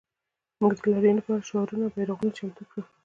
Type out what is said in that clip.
موږ د لاریون لپاره شعارونه او بیرغونه چمتو کړل